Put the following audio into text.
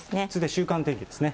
週間天気ですね。